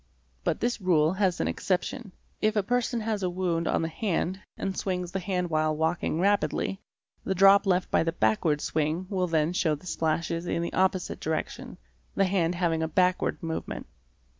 But this rule has an exception. If a person has a wound on the hand, and swings the hand while walking rapidly, the drop left by the backward swing will then show the splashes in the opposite direction, the hand having a backward movement.